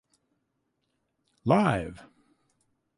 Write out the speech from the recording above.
Live!